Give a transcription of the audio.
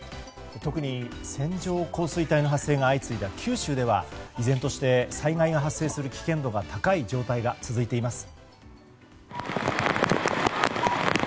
特に線状降水帯の発生が相次いだ九州では依然として、災害が発生する危険度が高い状態が続いています。